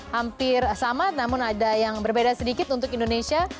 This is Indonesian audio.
hampir sama namun ada yang berbeda sedikit untuk indonesia